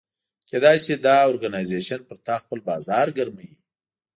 کېدای شي دا اورګنایزیش پر تا خپل بازار ګرموي.